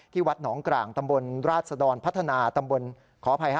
วัดหนองกลางตำบลราชดรพัฒนาตำบลขออภัยฮะ